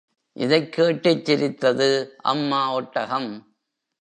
இதைக் கேட்டுச் சிரித்தது அம்மா ஒட்டகம்.